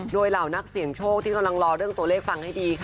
โดยเหล่านักเสี่ยงโชคที่กำลังรอเรื่องตัวเลขฟังให้ดีค่ะ